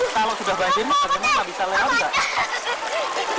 kalau sudah banjir bagaimana bisa lewat nggak